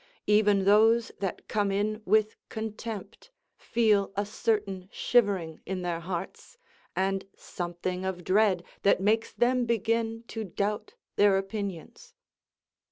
Even those that come in with contempt feel a certain shivering in their hearts, and something of dread that makes them begin to doubt their opinions.